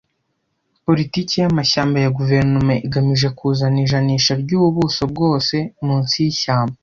Politiki y’amashyamba ya guverinoma igamije kuzana ijanisha ryubuso bwose, munsi yishyamba